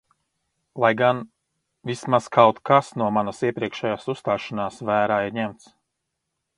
Lai gan – vismaz kaut kas no manas iepriekšējās uzstāšanās vērā ir ņemts.